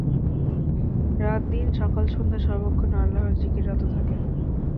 রাত-দিন সকাল-সন্ধ্যা সর্বক্ষণ আল্লাহর যিকিরে রত থাকেন।